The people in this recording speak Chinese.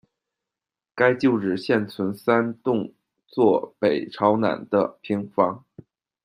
该旧址现存三幢坐北朝南的平房。